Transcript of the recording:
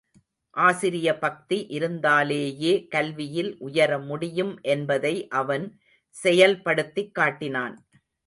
ஆசிரிய பக்தி இருந்தாலேயே கல்வியில் உயர முடியும் என்பதை அவன் செயல்படுத்திக் காட்டினான்.